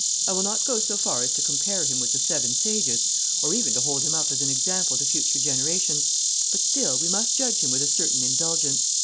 I will not go so far as to compare him with the Seven Sages, or even to hold him up as an example to future generations, but still we must judge him with a certain indulgence.